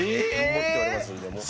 持っておりますんでもう。